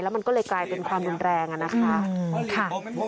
มันก็เลยกลายเป็นความรุนแรงนะคะ